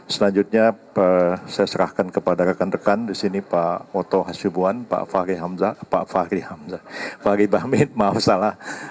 selanjutnya saya serahkan kepada rekan rekan di sini pak oto hasibuan pak fahri hamzah pak fahri hamzah bahmid maaf salah